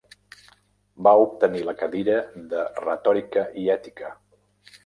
Va obtenir la cadira de retòrica i ètica.